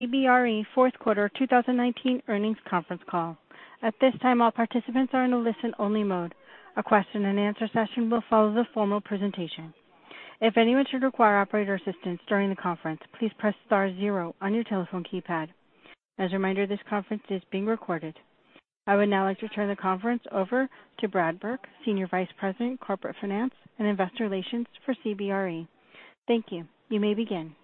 CBRE fourth quarter 2019 earnings conference call. At this time, all participants are in a listen-only mode. A question and answer session will follow the formal presentation. If anyone should require operator assistance during the conference, please press star zero on your telephone keypad. As a reminder, this conference is being recorded. I would now like to turn the conference over to Brad Burke, Senior Vice President, Corporate Finance and Investor Relations for CBRE. Thank you. You may begin.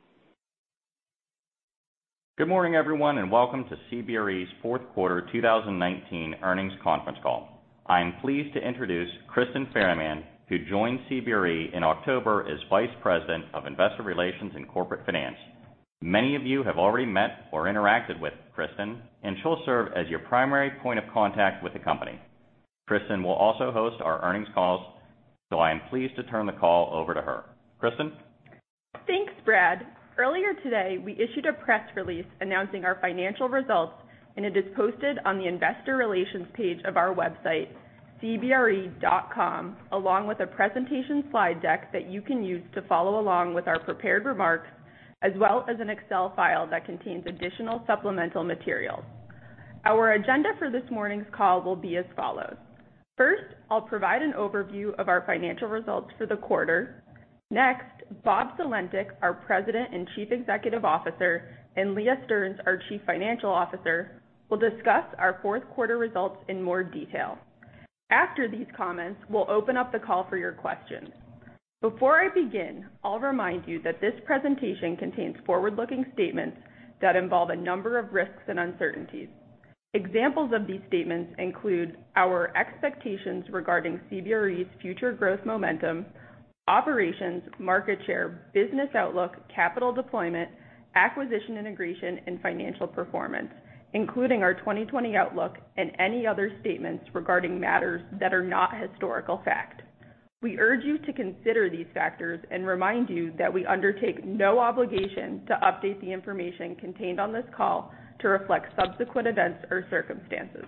Good morning, everyone, and welcome to CBRE's fourth quarter 2019 earnings conference call. I am pleased to introduce Kristin Cole, who joined CBRE in October as Vice President of Investor Relations and Corporate Finance. Many of you have already met or interacted with Kristin, and she'll serve as your primary point of contact with the company. Kristin will also host our earnings calls, so I am pleased to turn the call over to her. Kristin? Thanks, Brad. Earlier today, we issued a press release announcing our financial results, and it is posted on the investor relations page of our website, cbre.com, along with a presentation slide deck that you can use to follow along with our prepared remarks, as well as an Excel file that contains additional supplemental materials. Our agenda for this morning's call will be as follows. First, I'll provide an overview of our financial results for the quarter. Next, Bob Sulentic, our President and Chief Executive Officer, and Leah Stearns, our Chief Financial Officer, will discuss our fourth quarter results in more detail. After these comments, we'll open up the call for your questions. Before I begin, I'll remind you that this presentation contains forward-looking statements that involve a number of risks and uncertainties. Examples of these statements include our expectations regarding CBRE's future growth momentum, operations, market share, business outlook, capital deployment, acquisition integration, and financial performance, including our 2020 outlook and any other statements regarding matters that are not historical fact. We urge you to consider these factors and remind you that we undertake no obligation to update the information contained on this call to reflect subsequent events or circumstances.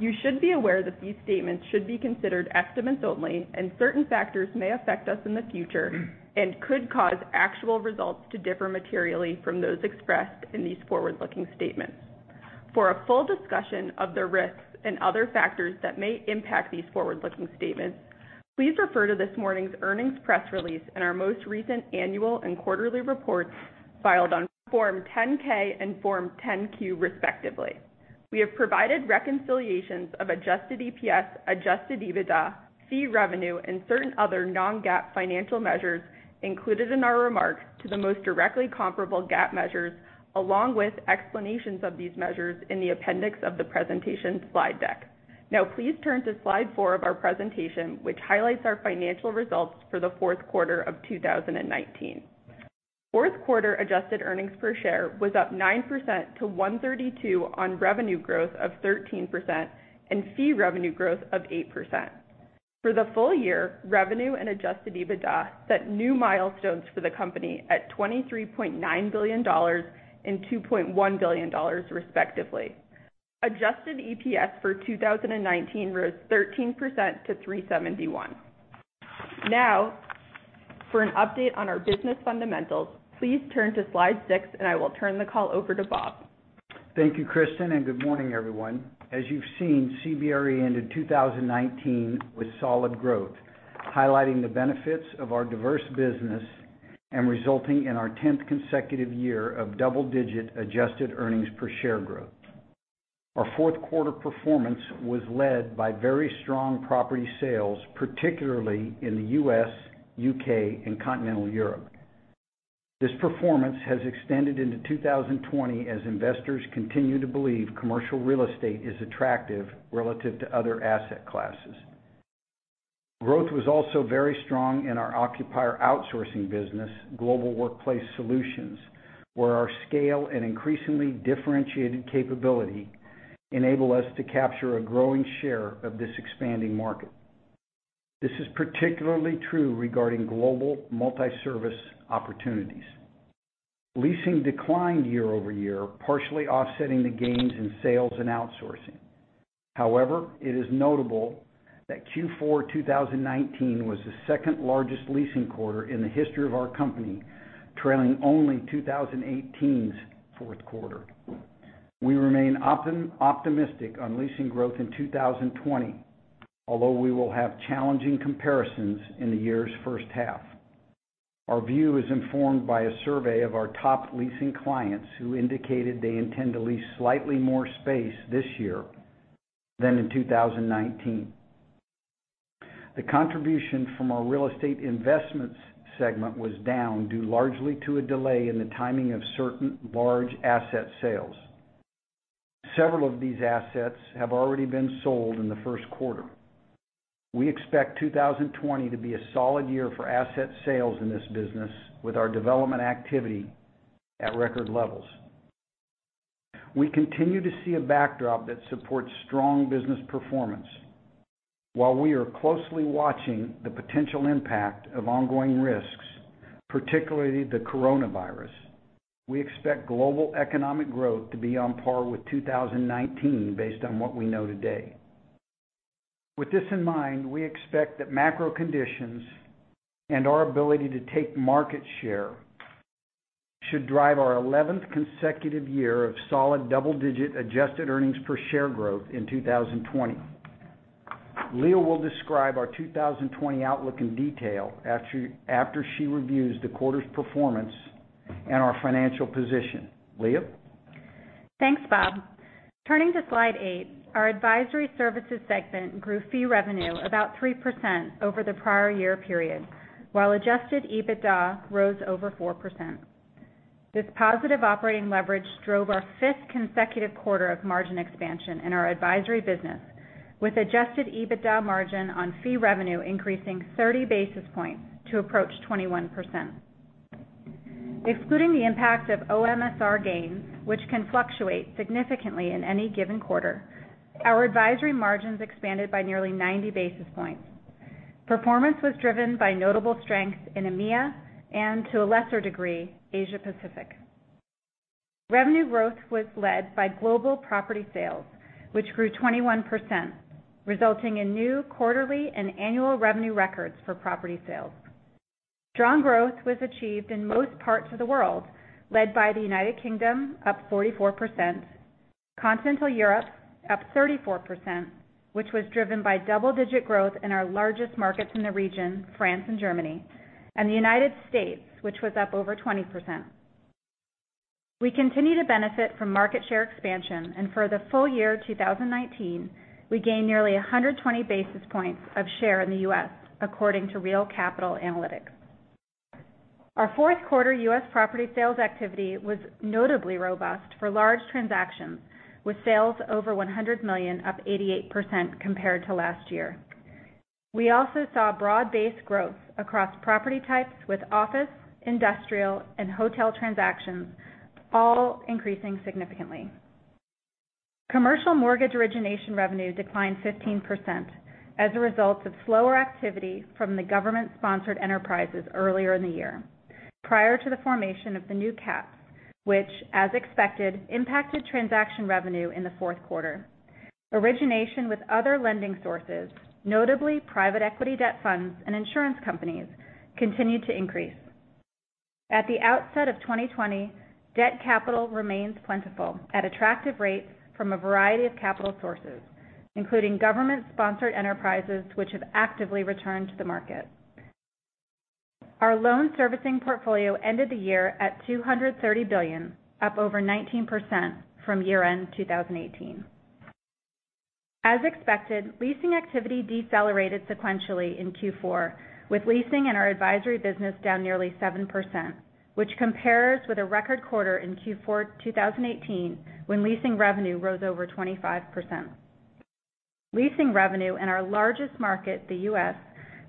You should be aware that these statements should be considered estimates only, and certain factors may affect us in the future and could cause actual results to differ materially from those expressed in these forward-looking statements. For a full discussion of the risks and other factors that may impact these forward-looking statements, please refer to this morning's earnings press release and our most recent annual and quarterly reports filed on Form 10-K and Form 10-Q, respectively. We have provided reconciliations of adjusted EPS, adjusted EBITDA, fee revenue, and certain other non-GAAP financial measures included in our remarks to the most directly comparable GAAP measures, along with explanations of these measures in the appendix of the presentation slide deck. Now please turn to slide four of our presentation, which highlights our financial results for the fourth quarter of 2019. Fourth quarter adjusted earnings per share was up 9% to $1.32 on revenue growth of 13% and fee revenue growth of 8%. For the full year, revenue and adjusted EBITDA set new milestones for the company at $23.9 billion and $2.1 billion, respectively. Adjusted EPS for 2019 rose 13% to $3.71. Now, for an update on our business fundamentals, please turn to slide six, and I will turn the call over to Bob. Thank you, Kristin. Good morning, everyone. As you've seen, CBRE ended 2019 with solid growth, highlighting the benefits of our diverse business and resulting in our tenth consecutive year of double-digit adjusted earnings per share growth. Our fourth quarter performance was led by very strong property sales, particularly in the U.S., U.K., and Continental Europe. This performance has extended into 2020 as investors continue to believe commercial real estate is attractive relative to other asset classes. Growth was also very strong in our occupier outsourcing business, Global Workplace Solutions, where our scale and increasingly differentiated capability enable us to capture a growing share of this expanding market. This is particularly true regarding global multi-service opportunities. Leasing declined year-over-year, partially offsetting the gains in sales and outsourcing. However, it is notable that Q4 2019 was the second-largest leasing quarter in the history of our company, trailing only 2018's fourth quarter. We remain optimistic on leasing growth in 2020, although we will have challenging comparisons in the year's first half. Our view is informed by a survey of our top leasing clients who indicated they intend to lease slightly more space this year than in 2019. The contribution from our real estate investments segment was down due largely to a delay in the timing of certain large asset sales. Several of these assets have already been sold in the first quarter. We expect 2020 to be a solid year for asset sales in this business, with our development activity at record levels. We continue to see a backdrop that supports strong business performance. While we are closely watching the potential impact of ongoing risks, particularly the coronavirus, we expect global economic growth to be on par with 2019 based on what we know today. With this in mind, we expect that macro conditions and our ability to take market share should drive our 11th consecutive year of solid double-digit adjusted earnings per share growth in 2020. Leah will describe our 2020 outlook in detail after she reviews the quarter's performance and our financial position. Leah? Thanks, Bob. Turning to slide eight, our Advisory Services segment grew fee revenue about 3% over the prior year period, while adjusted EBITDA rose over 4%. This positive operating leverage drove our fifth consecutive quarter of margin expansion in our advisory business, with adjusted EBITDA margin on fee revenue increasing 30 basis points to approach 21%. Excluding the impact of OMR gains, which can fluctuate significantly in any given quarter, our advisory margins expanded by nearly 90 basis points. Performance was driven by notable strength in EMEA and, to a lesser degree, Asia Pacific. Revenue growth was led by global property sales, which grew 21%, resulting in new quarterly and annual revenue records for property sales. Strong growth was achieved in most parts of the world, led by the U.K., up 44%, Continental Europe, up 34%, which was driven by double-digit growth in our largest markets in the region, France and Germany, and the U.S., which was up over 20%. We continue to benefit from market share expansion, and for the full year 2019, we gained nearly 120 basis points of share in the U.S., according to Real Capital Analytics. Our fourth quarter U.S. property sales activity was notably robust for large transactions, with sales over $100 million up 88% compared to last year. We also saw broad-based growth across property types with office, industrial, and hotel transactions all increasing significantly. Commercial mortgage origination revenue declined 15% as a result of slower activity from the government-sponsored enterprises earlier in the year, prior to the formation of the new caps, which, as expected, impacted transaction revenue in the fourth quarter. Origination with other lending sources, notably private equity debt funds and insurance companies, continued to increase. At the outset of 2020, debt capital remains plentiful at attractive rates from a variety of capital sources, including government-sponsored enterprises, which have actively returned to the market. Our loan servicing portfolio ended the year at $230 billion, up over 19% from year-end 2018. As expected, leasing activity decelerated sequentially in Q4, with leasing in our advisory business down nearly 7%, which compares with a record quarter in Q4 2018, when leasing revenue rose over 25%. Leasing revenue in our largest market, the U.S.,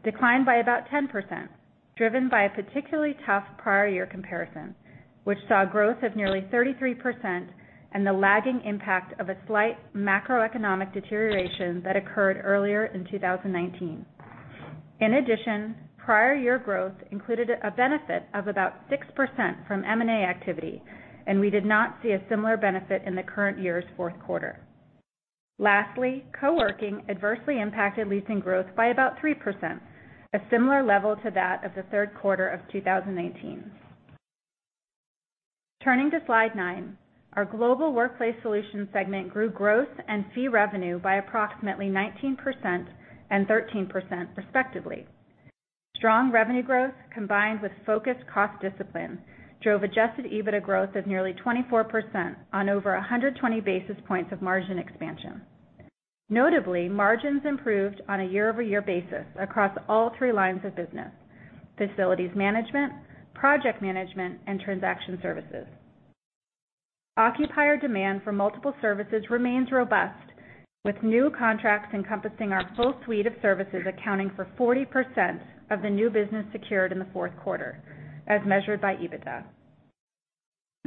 declined by about 10%, driven by a particularly tough prior year comparison, which saw growth of nearly 33% and the lagging impact of a slight macroeconomic deterioration that occurred earlier in 2019. In addition, prior year growth included a benefit of about 6% from M&A activity, and we did not see a similar benefit in the current year's fourth quarter. Lastly, co-working adversely impacted leasing growth by about 3%, a similar level to that of the third quarter of 2019. Turning to slide nine, our Global Workplace Solutions segment grew growth and fee revenue by approximately 19% and 13% respectively. Strong revenue growth, combined with focused cost discipline, drove adjusted EBITDA growth of nearly 24% on over 120 basis points of margin expansion. Notably, margins improved on a year-over-year basis across all three lines of business: facilities management, project management, and transaction services. Occupier demand for multiple services remains robust, with new contracts encompassing our full suite of services accounting for 40% of the new business secured in the fourth quarter, as measured by adjusted EBITDA.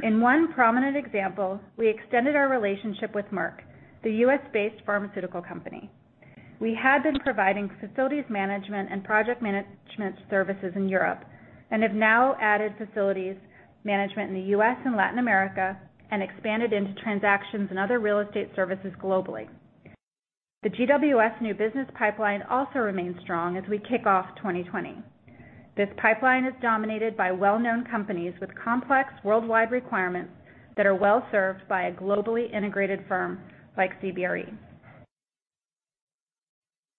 In one prominent example, we extended our relationship with Merck, the U.S.-based pharmaceutical company. We had been providing facilities management and project management services in Europe and have now added facilities management in the U.S. and Latin America and expanded into transactions and other real estate services globally. The GWS new business pipeline also remains strong as we kick off 2020. This pipeline is dominated by well-known companies with complex worldwide requirements that are well-served by a globally integrated firm like CBRE.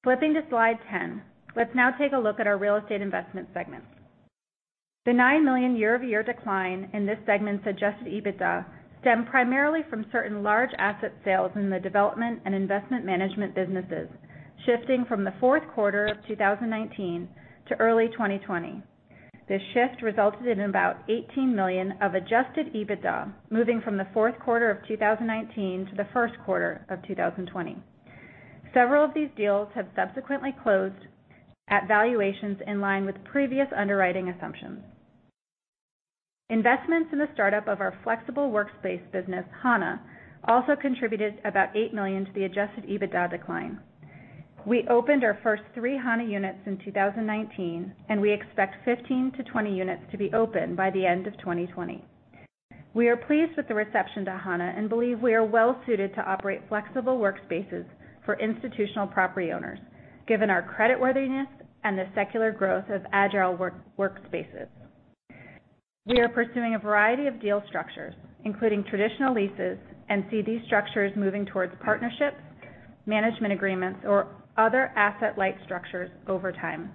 Flipping to slide 10, let's now take a look at our Real Estate Investment segment. The $9 million year-over-year decline in this segment's adjusted EBITDA stemmed primarily from certain large asset sales in the development and investment management businesses, shifting from the fourth quarter of 2019 to early 2020. This shift resulted in about $18 million of adjusted EBITDA moving from the fourth quarter of 2019 to the first quarter of 2020. Several of these deals have subsequently closed at valuations in line with previous underwriting assumptions. Investments in the startup of our flexible workspace business, Hana, also contributed about $8 million to the adjusted EBITDA decline. We opened our first three Hana units in 2019. We expect 15-20 units to be open by the end of 2020. We are pleased with the reception to Hana and believe we are well suited to operate flexible workspaces for institutional property owners, given our creditworthiness and the secular growth of agile workspaces. We are pursuing a variety of deal structures, including traditional leases, and see these structures moving towards partnerships, management agreements, or other asset-light structures over time.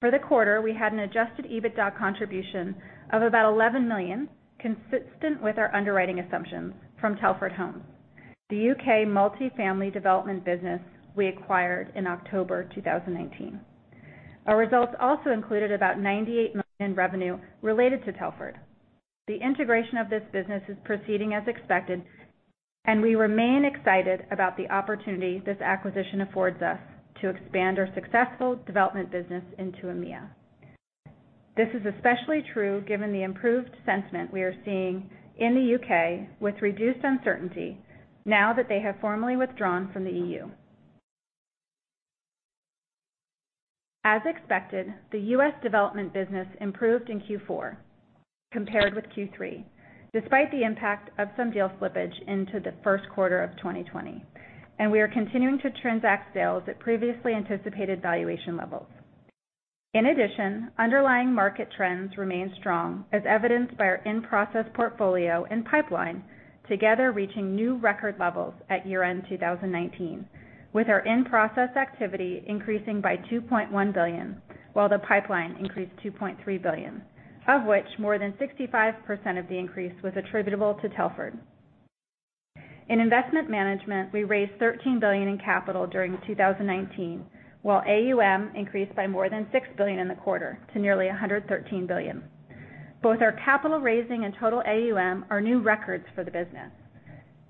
For the quarter, we had an adjusted EBITDA contribution of about $11 million, consistent with our underwriting assumptions from Telford Homes, the U.K. multifamily development business we acquired in October 2019. Our results also included about $98 million in revenue related to Telford. The integration of this business is proceeding as expected, and we remain excited about the opportunity this acquisition affords us to expand our successful development business into EMEA. This is especially true given the improved sentiment we are seeing in the U.K. with reduced uncertainty now that they have formally withdrawn from the E.U. As expected, the U.S. development business improved in Q4 compared with Q3, despite the impact of some deal slippage into the first quarter of 2020, and we are continuing to transact sales at previously anticipated valuation levels. In addition, underlying market trends remain strong, as evidenced by our in-process portfolio and pipeline together reaching new record levels at year-end 2019, with our in-process activity increasing by $2.1 billion, while the pipeline increased $2.3 billion, of which more than 65% of the increase was attributable to Telford. In investment management, we raised $13 billion in capital during 2019, while AUM increased by more than $6 billion in the quarter to nearly $113 billion. Both our capital raising and total AUM are new records for the business.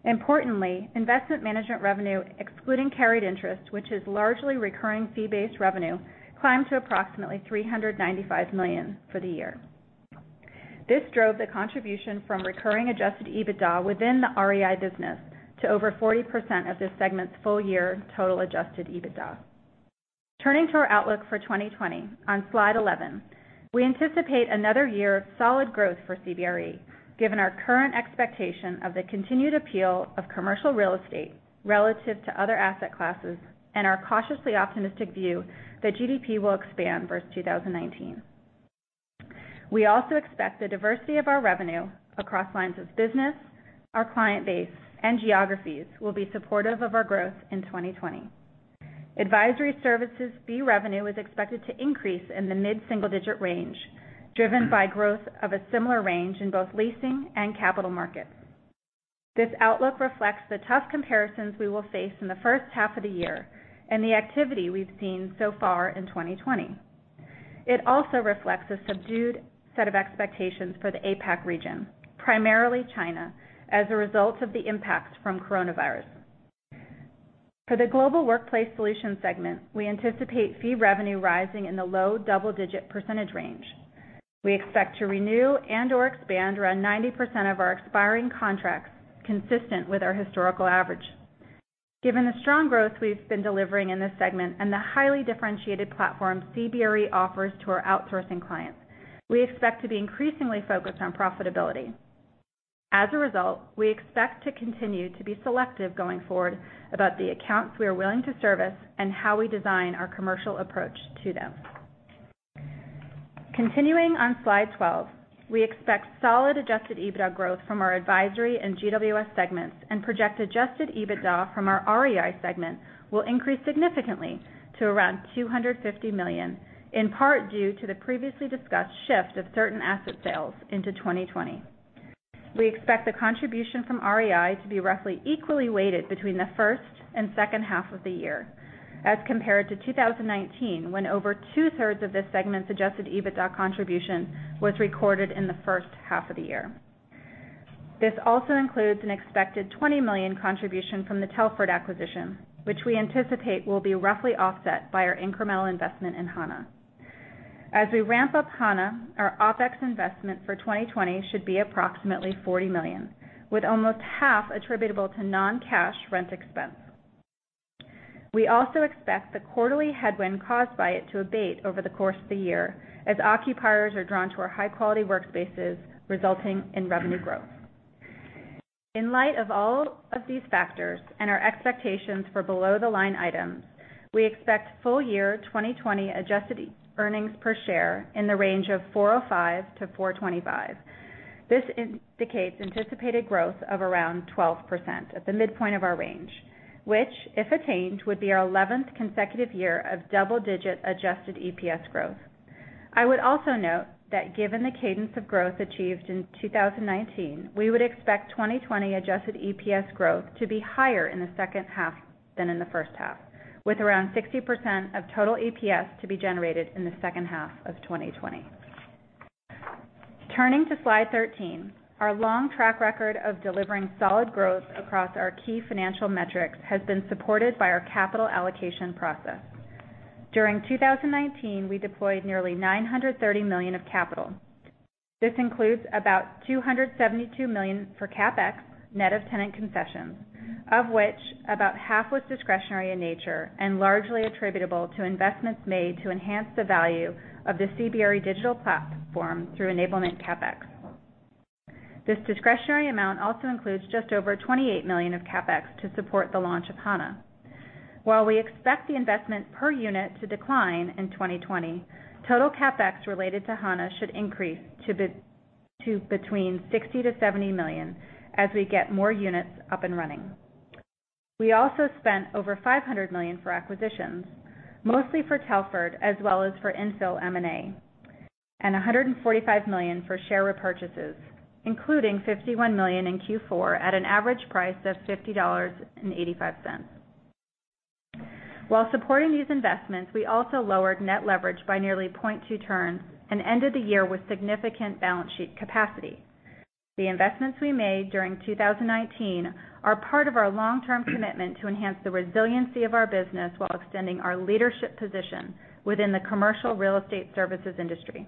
Importantly, investment management revenue, excluding carried interest, which is largely recurring fee-based revenue, climbed to approximately $395 million for the year. This drove the contribution from recurring adjusted EBITDA within the REI business to over 40% of this segment's full-year total adjusted EBITDA. Turning to our outlook for 2020 on slide 11. We anticipate another year of solid growth for CBRE given our current expectation of the continued appeal of commercial real estate relative to other asset classes and our cautiously optimistic view that GDP will expand versus 2019. We also expect the diversity of our revenue across lines of business, our client base, and geographies will be supportive of our growth in 2020. Advisory services fee revenue is expected to increase in the mid-single-digit range, driven by growth of a similar range in both leasing and capital markets. This outlook reflects the tough comparisons we will face in the first half of the year and the activity we've seen so far in 2020. It also reflects a subdued set of expectations for the APAC region, primarily China, as a result of the impact from coronavirus. For the Global Workplace Solutions segment, we anticipate fee revenue rising in the low double-digit percentage range. We expect to renew and/or expand around 90% of our expiring contracts consistent with our historical average. Given the strong growth we've been delivering in this segment and the highly differentiated platform CBRE offers to our outsourcing clients, we expect to be increasingly focused on profitability. We expect to continue to be selective going forward about the accounts we are willing to service and how we design our commercial approach to them. Continuing on slide 12. We expect solid adjusted EBITDA growth from our advisory and GWS segments and project adjusted EBITDA from our REI segment will increase significantly to around $250 million, in part due to the previously discussed shift of certain asset sales into 2020. We expect the contribution from REI to be roughly equally weighted between the first and second half of the year as compared to 2019, when over two-thirds of this segment's adjusted EBITDA contribution was recorded in the first half of the year. This also includes an expected $20 million contribution from the Telford acquisition, which we anticipate will be roughly offset by our incremental investment in Hana. As we ramp up Hana, our OpEx investment for 2020 should be approximately $40 million, with almost half attributable to non-cash rent expense. We also expect the quarterly headwind caused by it to abate over the course of the year as occupiers are drawn to our high-quality workspaces, resulting in revenue growth. In light of all of these factors and our expectations for below the line items, we expect full year 2020 adjusted earnings per share in the range of $4.05-$4.25. This indicates anticipated growth of around 12% at the midpoint of our range, which, if attained, would be our 11th consecutive year of double-digit adjusted EPS growth. I would also note that given the cadence of growth achieved in 2019, we would expect 2020 adjusted EPS growth to be higher in the second half than in the first half, with around 60% of total EPS to be generated in the second half of 2020. Turning to slide 13. Our long track record of delivering solid growth across our key financial metrics has been supported by our capital allocation process. During 2019, we deployed nearly $930 million of capital. This includes about $272 million for CapEx, net of tenant concessions, of which about half was discretionary in nature and largely attributable to investments made to enhance the value of the CBRE digital platform through enablement CapEx. This discretionary amount also includes just over $28 million of CapEx to support the launch of Hana. While we expect the investment per unit to decline in 2020, total CapEx related to Hana should increase to between $60 million-$70 million as we get more units up and running. We also spent over $500 million for acquisitions, mostly for Telford, as well as for infill M&A, and $145 million for share repurchases, including $51 million in Q4 at an average price of $50.85. While supporting these investments, we also lowered net leverage by nearly 0.2 turns and ended the year with significant balance sheet capacity. The investments we made during 2019 are part of our long-term commitment to enhance the resiliency of our business while extending our leadership position within the commercial real estate services industry.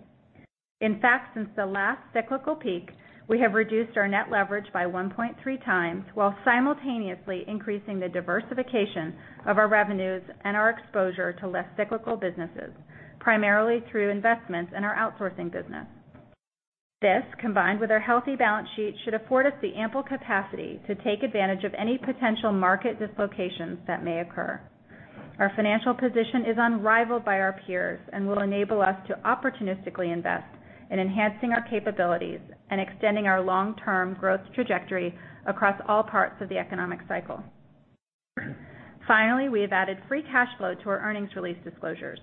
In fact, since the last cyclical peak, we have reduced our net leverage by 1.3 times, while simultaneously increasing the diversification of our revenues and our exposure to less cyclical businesses, primarily through investments in our outsourcing business. This, combined with our healthy balance sheet, should afford us the ample capacity to take advantage of any potential market dislocations that may occur. Our financial position is unrivaled by our peers and will enable us to opportunistically invest in enhancing our capabilities and extending our long-term growth trajectory across all parts of the economic cycle. Finally, we have added free cash flow to our earnings release disclosures.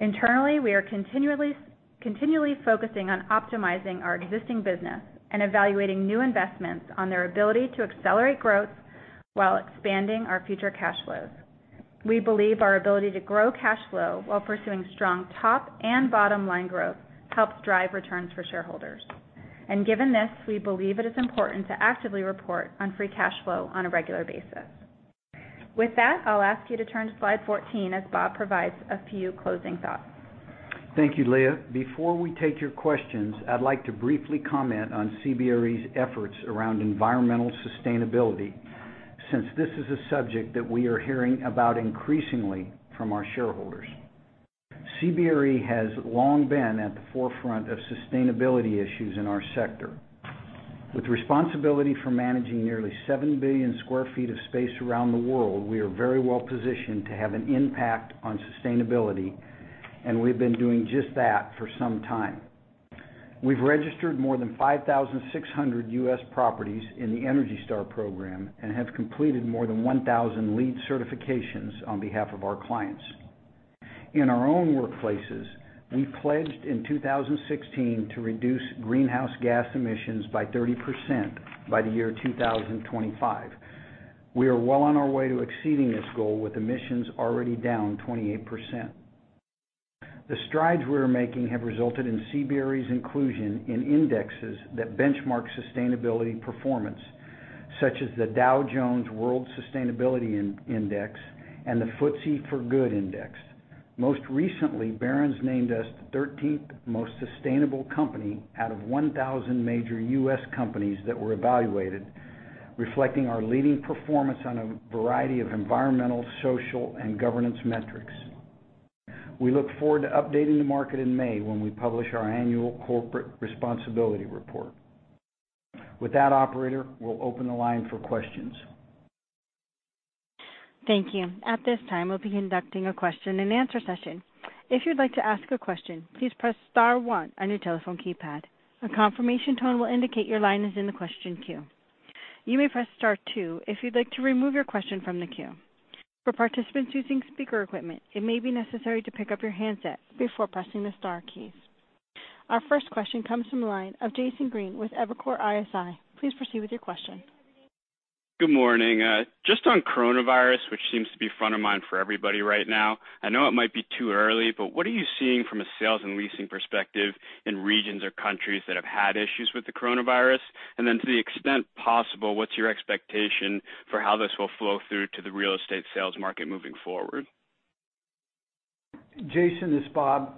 Internally, we are continually focusing on optimizing our existing business and evaluating new investments on their ability to accelerate growth while expanding our future cash flows. We believe our ability to grow cash flow while pursuing strong top and bottom-line growth helps drive returns for shareholders. Given this, we believe it is important to actively report on free cash flow on a regular basis. With that, I'll ask you to turn to slide 14 as Bob provides a few closing thoughts. Thank you, Leah. Before we take your questions, I'd like to briefly comment on CBRE's efforts around environmental sustainability, since this is a subject that we are hearing about increasingly from our shareholders. CBRE has long been at the forefront of sustainability issues in our sector. With responsibility for managing nearly 7 billion square feet of space around the world, we are very well positioned to have an impact on sustainability, and we've been doing just that for some time. We've registered more than 5,600 U.S. properties in the Energy Star program and have completed more than 1,000 LEED certifications on behalf of our clients. In our own workplaces, we pledged in 2016 to reduce greenhouse gas emissions by 30% by the year 2025. We are well on our way to exceeding this goal with emissions already down 28%. The strides we are making have resulted in CBRE's inclusion in indexes that benchmark sustainability performance, such as the Dow Jones Sustainability World Index and the FTSE4Good Index. Most recently, Barron's named us the 13th most sustainable company out of 1,000 major U.S. companies that were evaluated, reflecting our leading performance on a variety of environmental, social, and governance metrics. We look forward to updating the market in May when we publish our annual corporate responsibility report. With that operator, we'll open the line for questions. Thank you. At this time, we'll be conducting a question-and-answer session. If you'd like to ask a question, please press star one on your telephone keypad. A confirmation tone will indicate your line is in the question queue. You may press star two if you'd like to remove your question from the queue. For participants using speaker equipment, it may be necessary to pick up your handset before pressing the star keys. Our first question comes from the line of Jason Green with Evercore ISI. Please proceed with your question. Good morning. Just on coronavirus, which seems to be front of mind for everybody right now, I know it might be too early, but what are you seeing from a sales and leasing perspective in regions or countries that have had issues with the coronavirus? To the extent possible, what's your expectation for how this will flow through to the real estate sales market moving forward? Jason, this is Bob.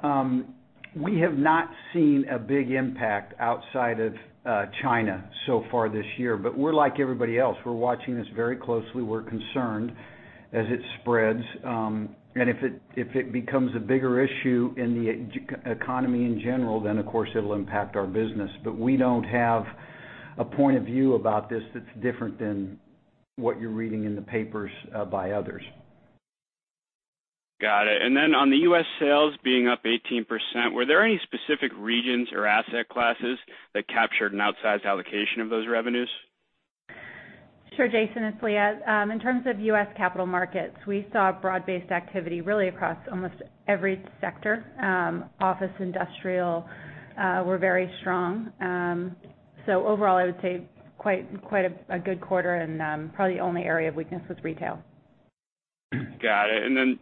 We have not seen a big impact outside of China so far this year. We're like everybody else. We're watching this very closely. We're concerned as it spreads. If it becomes a bigger issue in the economy in general, then of course it'll impact our business. We don't have a point of view about this that's different than what you're reading in the papers by others. Got it. On the U.S. sales being up 18%, were there any specific regions or asset classes that captured an outsized allocation of those revenues? Sure. Jason, it's Leah. In terms of U.S. capital markets, we saw broad-based activity really across almost every sector. Office, industrial were very strong. Overall, I would say quite a good quarter, and probably the only area of weakness was retail. Got it.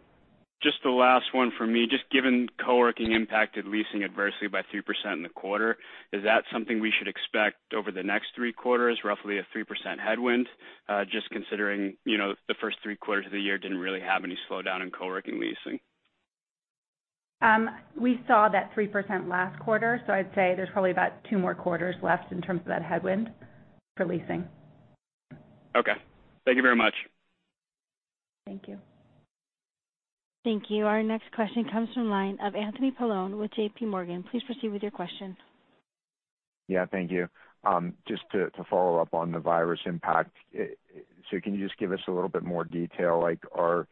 Just the last one for me, just given co-working impacted leasing adversely by 3% in the quarter, is that something we should expect over the next three quarters, roughly a 3% headwind, just considering the first three quarters of the year didn't really have any slowdown in co-working leasing? We saw that 3% last quarter. I'd say there's probably about two more quarters left in terms of that headwind for leasing. Okay. Thank you very much. Thank you. Thank you. Our next question comes from line of Anthony Paolone with JPMorgan. Please proceed with your question. Yeah, thank you. Just to follow up on the virus impact. Can you just give us a little bit more detail, like are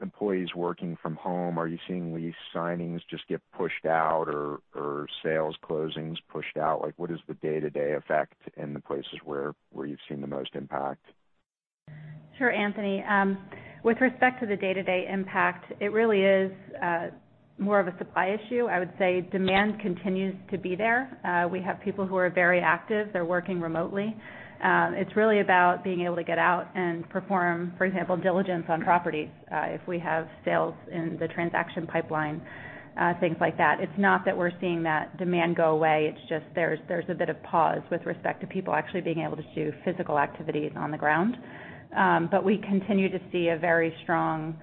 employees working from home? Are you seeing lease signings just get pushed out or sales closings pushed out? What is the day-to-day effect in the places where you've seen the most impact? Sure, Anthony. With respect to the day-to-day impact, it really is more of a supply issue. I would say demand continues to be there. We have people who are very active. They're working remotely. It's really about being able to get out and perform, for example, diligence on properties, if we have sales in the transaction pipeline, things like that. It's not that we're seeing that demand go away, it's just there's a bit of pause with respect to people actually being able to do physical activities on the ground. We continue to see a very strong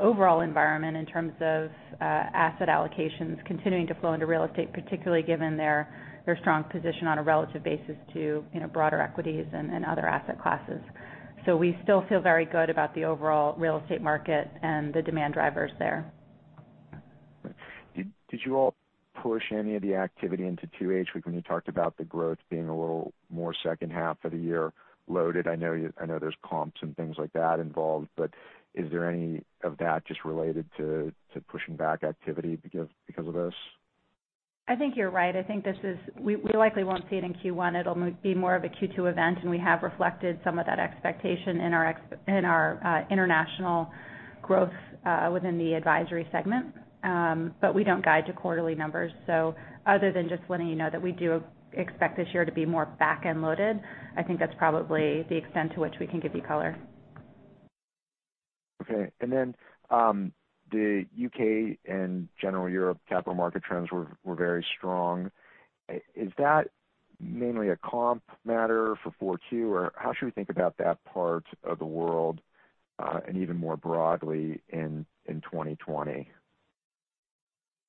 overall environment in terms of asset allocations continuing to flow into real estate, particularly given their strong position on a relative basis to broader equities and other asset classes. We still feel very good about the overall real estate market and the demand drivers there. Did you all push any of the activity into 2H when you talked about the growth being a little more second half of the year loaded? I know there's comps and things like that involved. Is there any of that just related to pushing back activity because of this? I think you're right. We likely won't see it in Q1. It'll be more of a Q2 event, and we have reflected some of that expectation in our international growth within the advisory segment. We don't guide to quarterly numbers. Other than just letting you know that we do expect this year to be more back-end loaded, I think that's probably the extent to which we can give you color. Okay. The U.K. and general Europe capital market trends were very strong. Is that mainly a comp matter for 4Q? How should we think about that part of the world, and even more broadly in 2020?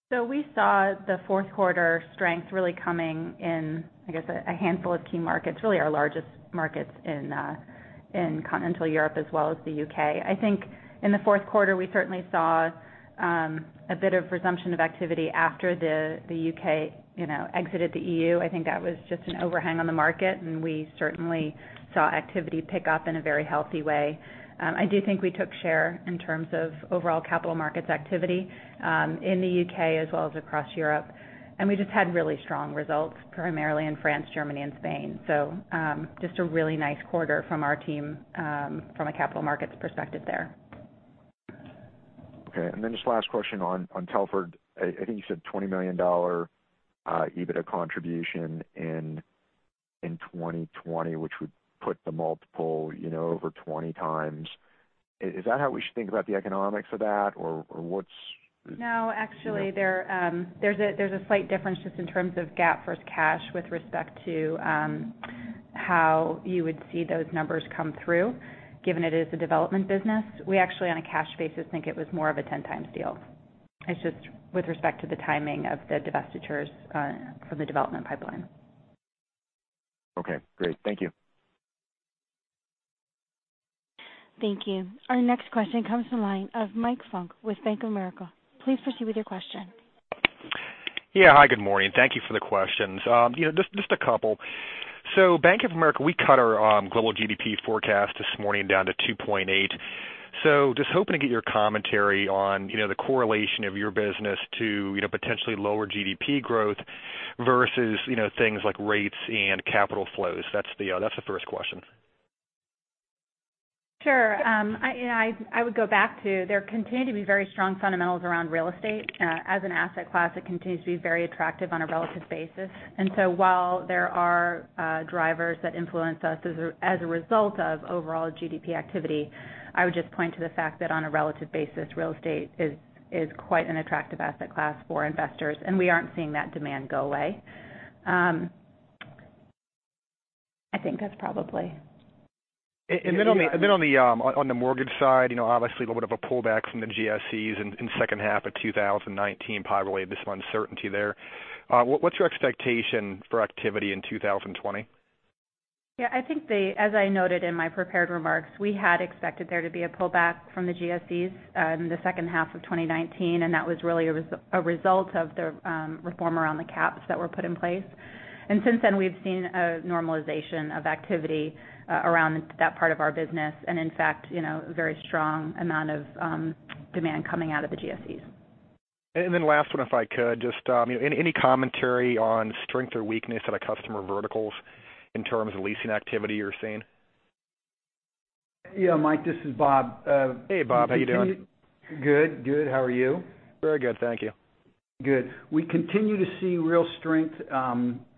We saw the fourth quarter strength really coming in, I guess, a handful of key markets, really our largest markets in Continental Europe as well as the U.K. I think in the fourth quarter, we certainly saw a bit of resumption of activity after the U.K. exited the EU. I think that was just an overhang on the market, and we certainly saw activity pick up in a very healthy way. I do think we took share in terms of overall capital markets activity in the U.K. as well as across Europe, and we just had really strong results, primarily in France, Germany and Spain. Just a really nice quarter from our team from a capital markets perspective there. Okay. Just last question on Telford. I think you said $20 million EBITDA contribution in 2020, which would put the multiple over 20 times. Is that how we should think about the economics of that? No, actually there's a slight difference just in terms of GAAP versus cash with respect to how you would see those numbers come through, given it is a development business. We actually, on a cash basis, think it was more of a 10 times deal. It's just with respect to the timing of the divestitures from the development pipeline. Okay, great. Thank you. Thank you. Our next question comes from line of Michael Funk with Bank of America. Please proceed with your question. Yeah. Hi, good morning. Thank you for the questions. Just a couple. Bank of America, we cut our global GDP forecast this morning down to 2.8. Just hoping to get your commentary on the correlation of your business to potentially lower GDP growth versus things like rates and capital flows. That's the first question. Sure. I would go back to there continue to be very strong fundamentals around real estate. As an asset class, it continues to be very attractive on a relative basis. While there are drivers that influence us as a result of overall GDP activity, I would just point to the fact that on a relative basis, real estate is quite an attractive asset class for investors, and we aren't seeing that demand go away. I think that's probably-. On the mortgage side, obviously a little bit of a pullback from the GSEs in second half of 2019, probably just uncertainty there. What's your expectation for activity in 2020? Yeah, I think as I noted in my prepared remarks, we had expected there to be a pullback from the GSEs in the second half of 2019. That was really a result of the reform around the caps that were put in place. Since then, we've seen a normalization of activity around that part of our business. In fact, a very strong amount of demand coming out of the GSEs. Last one, if I could. Just any commentary on strength or weakness out of customer verticals in terms of leasing activity you're seeing? Yeah, Mike, this is Bob. Hey, Bob. How you doing? Good. How are you? Very good, thank you. Good. We continue to see real strength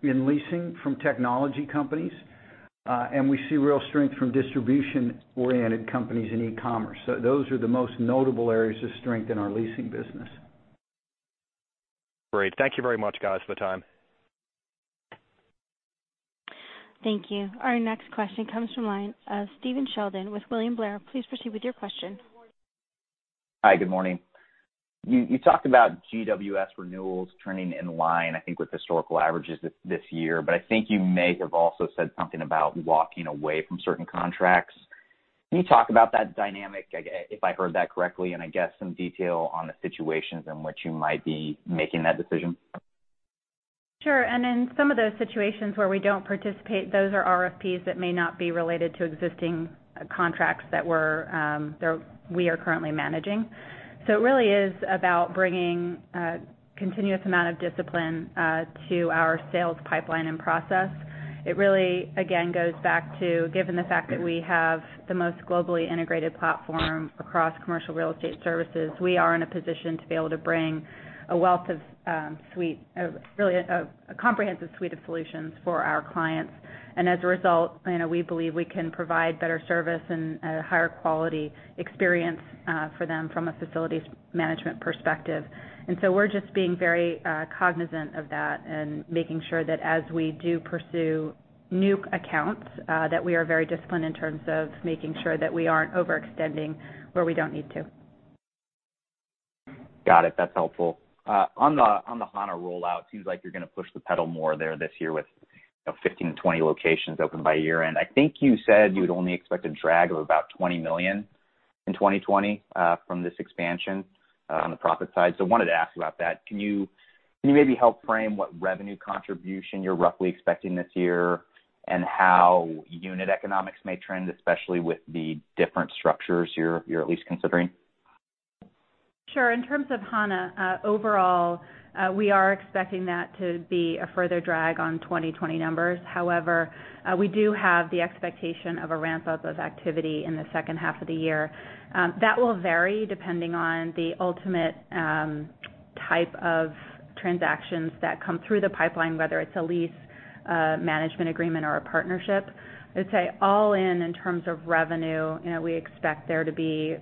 in leasing from technology companies. We see real strength from distribution-oriented companies in e-commerce. Those are the most notable areas of strength in our leasing business. Great. Thank you very much, guys, for the time. Thank you. Our next question comes from line of Stephen Sheldon with William Blair. Please proceed with your question. Hi. Good morning. You talked about GWS renewals trending in line, I think, with historical averages this year, but I think you may have also said something about walking away from certain contracts. Can you talk about that dynamic, if I heard that correctly, and I guess some detail on the situations in which you might be making that decision? Sure. In some of those situations where we don't participate, those are RFPs that may not be related to existing contracts that we are currently managing. It really is about bringing a continuous amount of discipline to our sales pipeline and process. It really, again, goes back to given the fact that we have the most globally integrated platform across commercial real estate services, we are in a position to be able to bring a comprehensive suite of solutions for our clients. As a result, we believe we can provide better service and a higher quality experience for them from a facilities management perspective. We're just being very cognizant of that and making sure that as we do pursue new accounts, that we are very disciplined in terms of making sure that we aren't overextending where we don't need to. Got it. That's helpful. On the Hana rollout, seems like you're going to push the pedal more there this year with 15-20 locations open by year-end. I think you said you would only expect a drag of about $20 million in 2020 from this expansion on the profit side. Wanted to ask about that. Can you maybe help frame what revenue contribution you're roughly expecting this year and how unit economics may trend, especially with the different structures you're at least considering? Sure. In terms of Hana, overall, we are expecting that to be a further drag on 2020 numbers. We do have the expectation of a ramp-up of activity in the second half of the year. That will vary depending on the ultimate type of transactions that come through the pipeline, whether it's a lease management agreement or a partnership. I would say all in terms of revenue, we expect there to be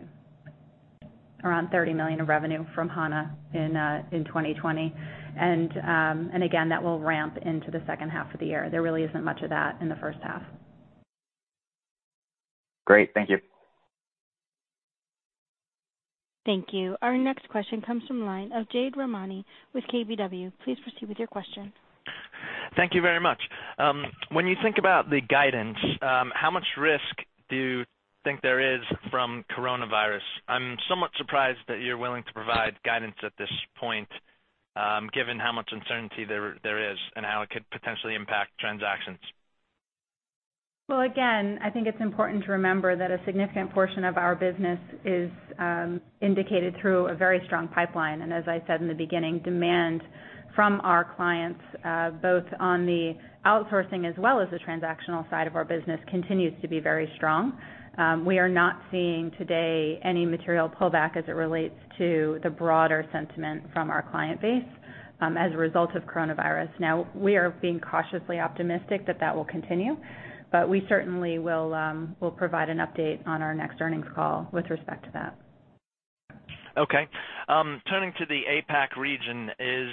around $30 million of revenue from Hana in 2020. Again, that will ramp into the second half of the year. There really isn't much of that in the first half. Great. Thank you. Thank you. Our next question comes from the line of Jade Rahmani with KBW. Please proceed with your question. Thank you very much. When you think about the guidance, how much risk do you think there is from coronavirus? I'm somewhat surprised that you're willing to provide guidance at this point, given how much uncertainty there is and how it could potentially impact transactions. Again, I think it's important to remember that a significant portion of our business is indicated through a very strong pipeline. As I said in the beginning, demand from our clients, both on the outsourcing as well as the transactional side of our business, continues to be very strong. We are not seeing today any material pullback as it relates to the broader sentiment from our client base as a result of coronavirus. We are being cautiously optimistic that that will continue, but we certainly will provide an update on our next earnings call with respect to that. Okay. Turning to the APAC region, is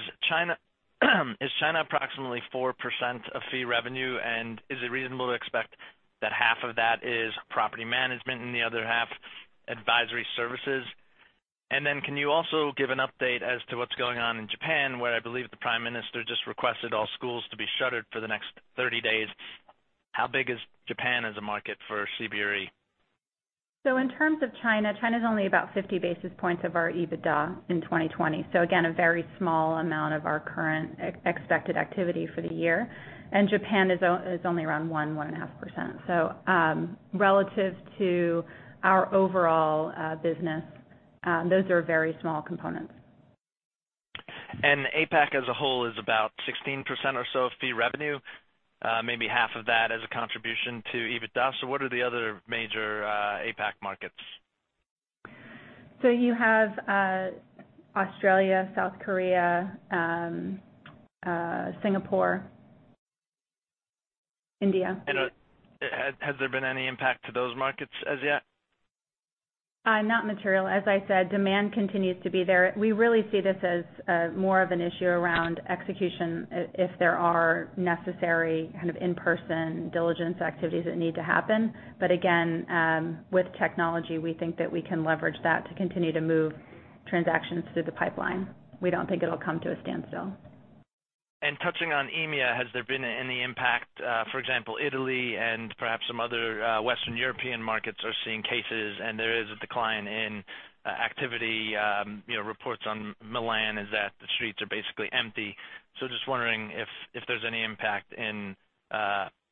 China approximately 4% of fee revenue? Is it reasonable to expect that half of that is property management and the other half advisory services? Can you also give an update as to what's going on in Japan, where I believe the Prime Minister just requested all schools to be shuttered for the next 30-days? How big is Japan as a market for CBRE? In terms of China's only about 50 basis points of our EBITDA in 2020. Again, a very small amount of our current expected activity for the year. Japan is only around 1%, 1.5%. Relative to our overall business, those are very small components. APAC as a whole is about 16% or so of fee revenue, maybe half of that as a contribution to adjusted EBITDA. What are the other major APAC markets? You have Australia, South Korea, Singapore, India. Has there been any impact to those markets as yet? Not material. As I said, demand continues to be there. We really see this as more of an issue around execution if there are necessary kind of in-person diligence activities that need to happen. Again, with technology, we think that we can leverage that to continue to move transactions through the pipeline. We don't think it'll come to a standstill. Touching on EMEA, has there been any impact? For example, Italy and perhaps some other Western European markets are seeing cases, and there is a decline in activity. Reports on Milan is that the streets are basically empty. Just wondering if there's any impact in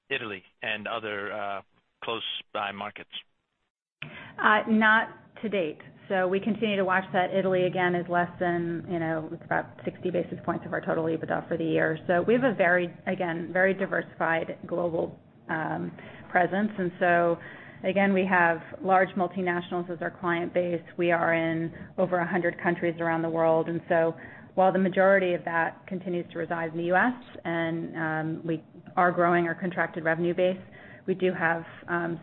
Italy and other close-by markets. Not to date. We continue to watch that. Italy, again, is less than about 60 basis points of our total adjusted EBITDA for the year. We have, again, very diversified global presence. Again, we have large multinationals as our client base. We are in over 100 countries around the world. While the majority of that continues to reside in the U.S. and we are growing our contracted revenue base, we do have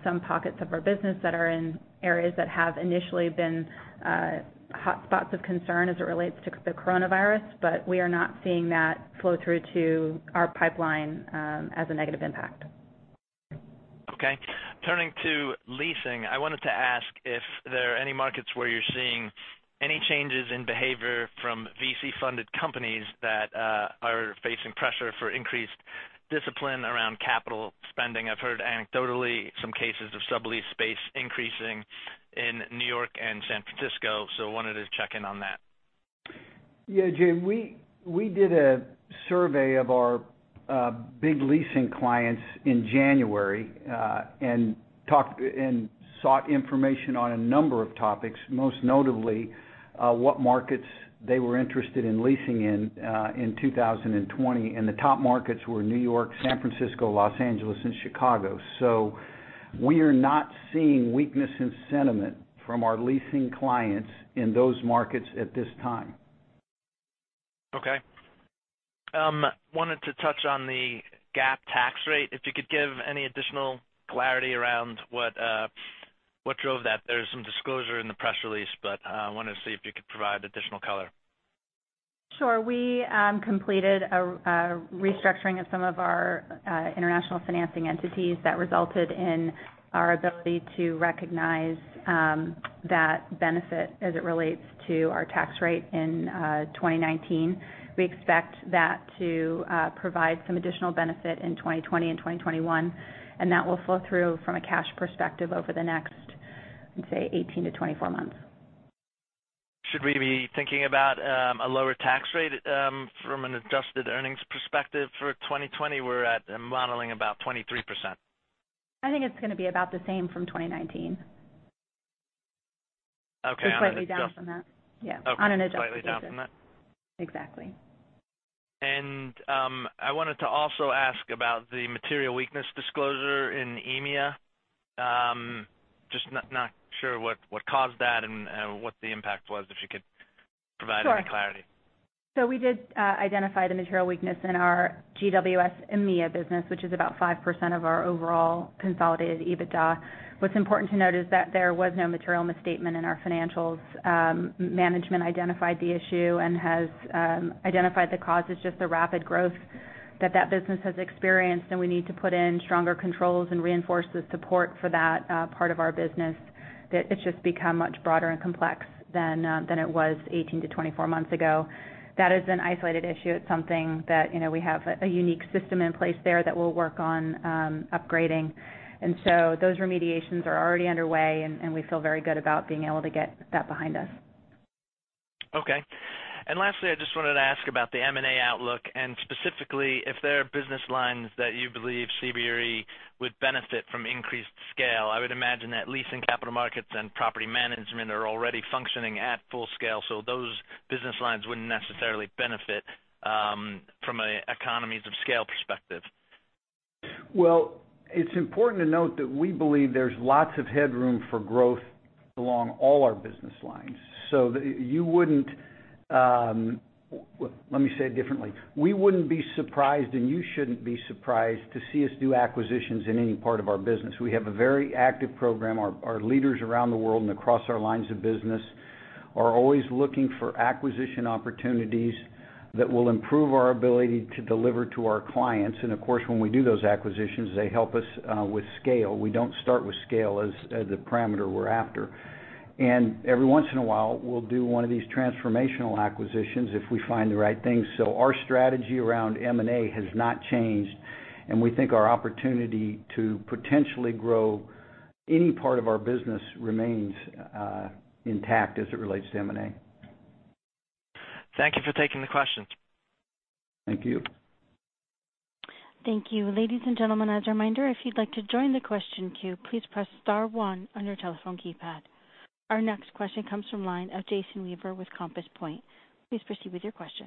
some pockets of our business that are in areas that have initially been hotspots of concern as it relates to the coronavirus. We are not seeing that flow through to our pipeline as a negative impact. Okay. Turning to leasing, I wanted to ask if there are any markets where you're seeing any changes in behavior from VC-funded companies that are facing pressure for increased discipline around capital spending. I've heard anecdotally some cases of sublease space increasing in New York and San Francisco, so wanted to check in on that. Yeah, Jade, we did a survey of our big leasing clients in January, sought information on a number of topics, most notably, what markets they were interested in leasing in in 2020. The top markets were New York, San Francisco, Los Angeles, and Chicago. We are not seeing weakness in sentiment from our leasing clients in those markets at this time. Okay. Wanted to touch on the GAAP tax rate, if you could give any additional clarity around what drove that. There's some disclosure in the press release, I wanted to see if you could provide additional color. Sure. We completed a restructuring of some of our international financing entities that resulted in our ability to recognize that benefit as it relates to our tax rate in 2019. We expect that to provide some additional benefit in 2020 and 2021, and that will flow through from a cash perspective over the next, I'd say, 18-24 months. Should we be thinking about a lower tax rate from an adjusted earnings perspective for 2020? We're at modeling about 23%. I think it's going to be about the same from 2019. Okay. Slightly down from that. Yeah. Okay. On an adjusted basis. Slightly down from that? Exactly. I wanted to also ask about the material weakness disclosure in EMEA. Just not sure what caused that and what the impact was, if you could provide any clarity. Sure. We did identify the material weakness in our GWS EMEA business, which is about 5% of our overall consolidated EBITDA. What's important to note is that there was no material misstatement in our financials. Management identified the issue and has identified the cause as just the rapid growth that business has experienced, and we need to put in stronger controls and reinforce the support for that part of our business. It's just become much broader and complex than it was 18-24 months ago. That is an isolated issue. It's something that we have a unique system in place there that we'll work on upgrading. Those remediations are already underway, and we feel very good about being able to get that behind us. Okay. Lastly, I just wanted to ask about the M&A outlook, and specifically, if there are business lines that you believe CBRE would benefit from increased scale. I would imagine that leasing capital markets and property management are already functioning at full scale. Those business lines wouldn't necessarily benefit from an economies of scale perspective. Well, it's important to note that we believe there's lots of headroom for growth along all our business lines. Let me say it differently. We wouldn't be surprised, and you shouldn't be surprised to see us do acquisitions in any part of our business. We have a very active program. Our leaders around the world and across our lines of business are always looking for acquisition opportunities that will improve our ability to deliver to our clients. Of course, when we do those acquisitions, they help us with scale. We don't start with scale as the parameter we're after. Every once in a while, we'll do one of these transformational acquisitions if we find the right thing. Our strategy around M&A has not changed, and we think our opportunity to potentially grow any part of our business remains intact as it relates to M&A. Thank you for taking the question. Thank you. Thank you. Ladies and gentlemen, as a reminder, if you'd like to join the question queue, please press star one on your telephone keypad. Our next question comes from line of Jason Weaver with Compass Point. Please proceed with your question.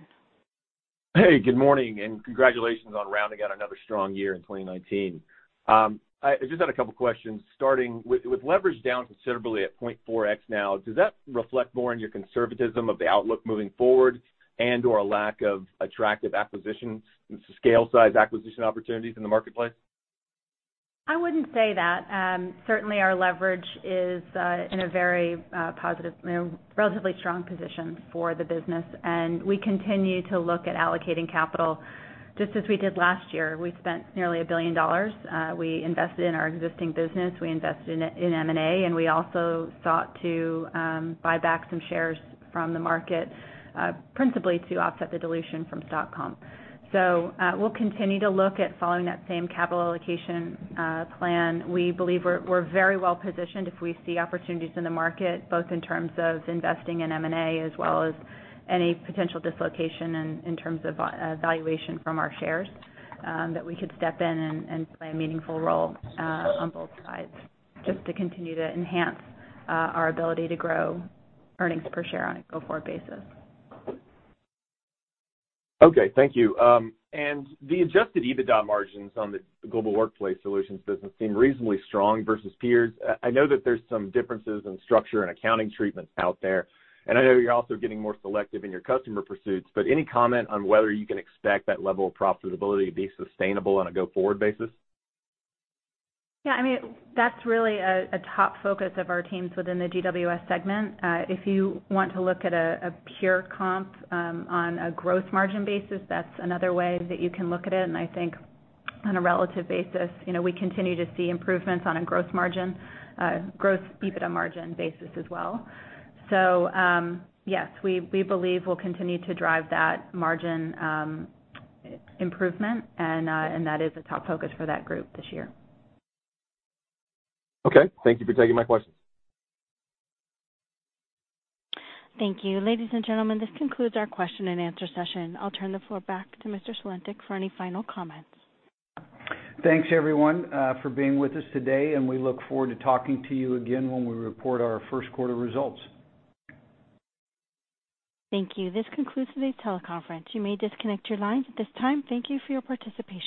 Good morning, congratulations on rounding out another strong year in 2019. I just had a couple questions starting with leverage down considerably at 0.4x now. Does that reflect more on your conservatism of the outlook moving forward and/or a lack of attractive acquisitions and scale size acquisition opportunities in the marketplace? I wouldn't say that. Certainly, our leverage is in a very positive, relatively strong position for the business, and we continue to look at allocating capital just as we did last year. We spent nearly $1 billion. We invested in our existing business, we invested in M&A, and we also sought to buy back some shares from the market principally to offset the dilution from stock comp. We'll continue to look at following that same capital allocation plan. We believe we're very well-positioned if we see opportunities in the market, both in terms of investing in M&A as well as any potential dislocation in terms of valuation from our shares that we could step in and play a meaningful role on both sides just to continue to enhance our ability to grow earnings per share on a go-forward basis. Okay. Thank you. The adjusted EBITDA margins on the Global Workplace Solutions business seem reasonably strong versus peers. I know that there's some differences in structure and accounting treatments out there, and I know you're also getting more selective in your customer pursuits, but any comment on whether you can expect that level of profitability to be sustainable on a go-forward basis? Yeah. That's really a top focus of our teams within the GWS segment. If you want to look at a pure comp on a gross margin basis, that's another way that you can look at it. I think on a relative basis we continue to see improvements on a growth EBITDA margin basis as well. Yes, we believe we'll continue to drive that margin improvement, and that is a top focus for that group this year. Okay. Thank you for taking my question. Thank you. Ladies and gentlemen, this concludes our question-and-answer session. I'll turn the floor back to Mr. Sulentic for any final comments. Thanks, everyone, for being with us today, and we look forward to talking to you again when we report our first quarter results. Thank you. This concludes today's teleconference. You may disconnect your lines at this time. Thank you for your participation.